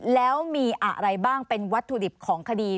แล้วมีอะไรบ้างเป็นวัตถุดิบของคดี